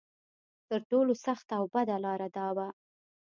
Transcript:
تر ټولو سخته او بده لا دا وه.